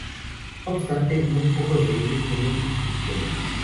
No obstante, muy pocos de ellos tienen inscripciones.